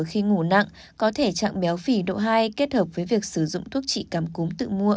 khi ngủ nặng có thể trạng béo phì độ hai kết hợp với việc sử dụng thuốc trị cảm cúm tự mua